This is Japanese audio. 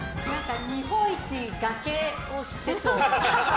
日本一崖を知ってそう。